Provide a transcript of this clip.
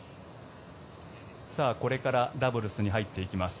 これからダブルスに入っていきます。